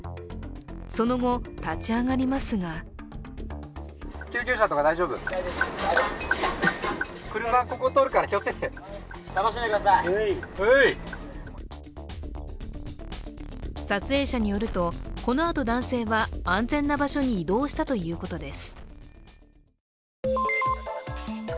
その後、立ち上がりますが撮影者によると、このあと男性は安全な場所に移動したということです。